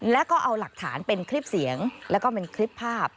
แล้วก็เอาหลักฐานเป็นคลิปเสียงแล้วก็เป็นคลิปภาพ